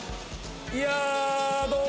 いやどうも。